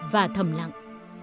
và thầm lặng